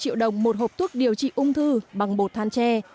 hai triệu đồng một hộp thuốc điều trị ung thư bằng bột than tre